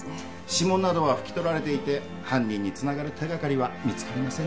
指紋などは拭き取られていて犯人に繋がる手がかりは見つかりませんでした。